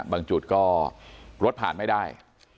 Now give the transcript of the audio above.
บางจุดก็รถผ่านไม่ได้